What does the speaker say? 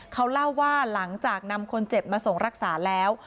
เขาเล่าว่าหลังจากนำคนเจ็บมาส่งรักษาแล้ว